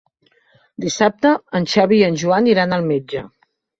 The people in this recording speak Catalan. Dissabte en Xavi i en Joan iran al metge.